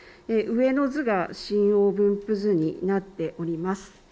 上の図が震央分布図になっております。